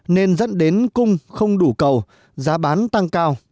nên dẫn đến cung không đủ cầu giá bán tăng cao